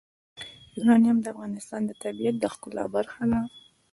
یورانیم د افغانستان د طبیعت د ښکلا برخه ده.